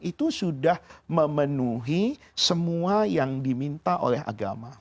itu sudah memenuhi semua yang diminta oleh agama